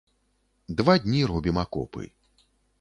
Два дні робім акопы.